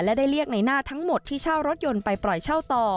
และได้เรียกในหน้าทั้งหมดที่เช่ารถยนต์ไปปล่อยเช่าต่อ